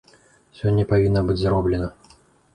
Сёння павінна быць зроблена.